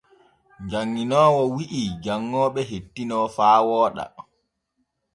Janŋinoowo wi’i janŋooɓe hettino faa wooɗa.